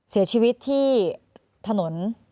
เสียชีวิตที่ถนน